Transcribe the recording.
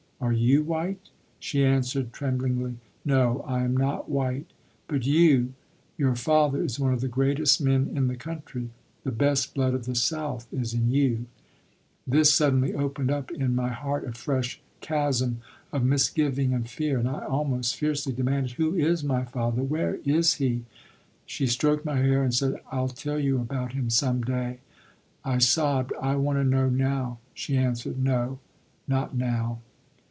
Are you white?" She answered tremblingly: "No, I am not white, but you your father is one of the greatest men in the country the best blood of the South is in you " This suddenly opened up in my heart a fresh chasm of misgiving and fear, and I almost fiercely demanded: "Who is my father? Where is he?" She stroked my hair and said: "I'll tell you about him some day." I sobbed: "I want to know now." She answered: "No, not now."